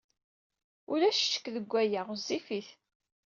Ulac ccekk deg waya. Ɣezzifit.